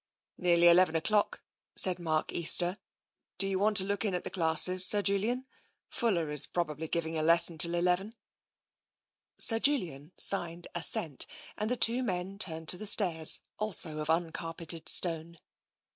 " Nearly eleven o'clock," said Mark Easter. " Do you want to look in at the classes. Sir Julian ? Fuller is probably giving a lesson till eleven." Sir Julian signed assent, and the two men turned to the stairs, also of uncarpeted stone.